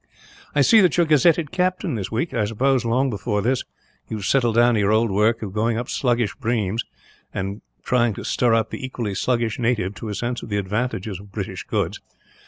"I see that you are gazetted captain, this week. I suppose, long before this, you have settled down to your old work of going up sluggish streams; and trying to stir up the equally sluggish native to a sense of the advantages of British goods.